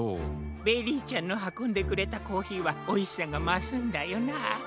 ベリーちゃんのはこんでくれたコーヒーはおいしさがますんだよなあ。